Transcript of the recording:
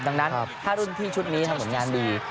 ดังนั้นถ้ารุ่นพี่ชุดนี้ทำผลงานดี